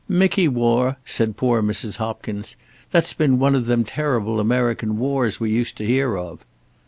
"Mickey war!" said poor Mrs. Hopkins, "that's been one of them terrible American wars we used to hear of."